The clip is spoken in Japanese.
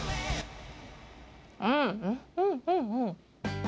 うん、うん。